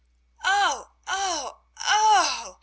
"Oh! Oh! Oh!"